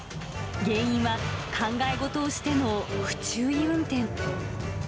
原因は考え事をしての不注意運転。